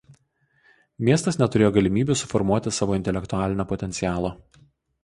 Miestas neturėjo galimybių suformuoti savo intelektualinio potencialo.